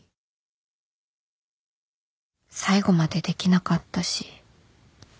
最後までできなかったし